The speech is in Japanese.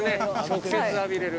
直接浴びられる。